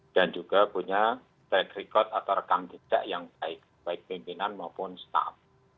dan juga punya track record atau rekam ticak yang baik pimpinan maupun staff